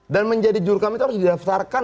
dan menjadi jurkam itu harus didaftarkan